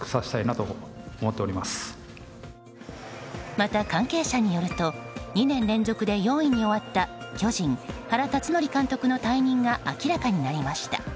また、関係者によると２年連続で４位に終わった巨人、原辰徳監督の退任が明らかになりました。